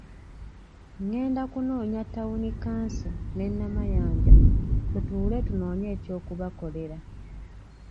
Ngenda kunoonya tawuni kkanso ne Namayanja tutuule tunoonye ekyokubakolera.